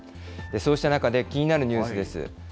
そうした中で、気になるニュースです。